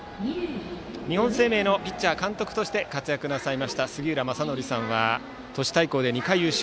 日本生命のピッチャー監督として活躍されました杉浦正則さんは都市対抗で２回優勝。